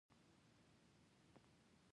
هغې ځواب راکړ چې هو زه په جرمني ژبه پوهېږم